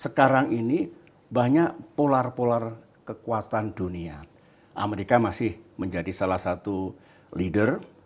sekarang ini banyak polar polar kekuatan dunia amerika masih menjadi salah satu leader